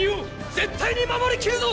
絶対に守りきるぞ！